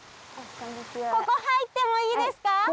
ここ入ってもいいですか？